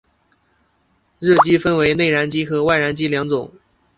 热机分为内燃机和外燃机两种。